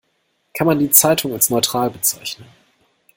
Kann man die Zeitung als neutral bezeichnen?